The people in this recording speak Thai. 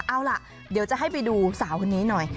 เอาล่ะเดี๋ยวจะให้ไปดูสาวคนนี้หน่อย